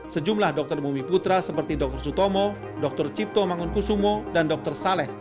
sejumlah dokter bumi putra seperti dokter sutomo dokter cipto mangunkusumo dan dokter saleh